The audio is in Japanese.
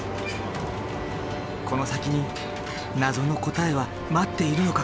この先に謎の答えは待っているのか？